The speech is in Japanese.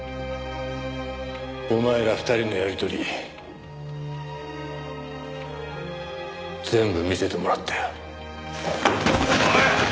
お前ら２人のやり取り全部見せてもらったよ。